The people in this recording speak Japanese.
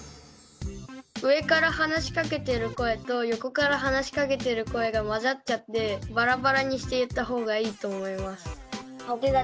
上から話しかけてる声と横から話しかけてる声が混ざっちゃってバラバラにして言った方がいいと思います。